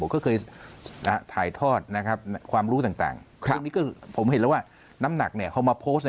ก็เคยถ่ายทอดความรู้ต่างมากนี่ผมเห็นแล้วว่าน้ำหนักเข้ามาโพสต์